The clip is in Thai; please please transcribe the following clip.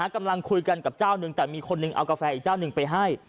กำลังคุยกันกับเจ้านึงแต่มีคนหนึ่งเอากาแฟอีกเจ้าหนึ่งไปให้